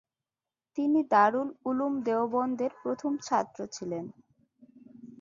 তিনি দারুল উলুম দেওবন্দের প্রথম ছাত্র ছিলেন।